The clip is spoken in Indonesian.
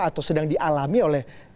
atau sedang dialami oleh